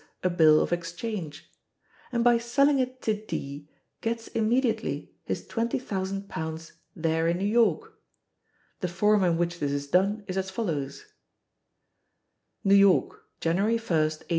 a bill of exchange) and by selling it to D gets immediately his £20,000 there in New York. The form in which this is done is as follows: NEW YORK, January 1, 1884.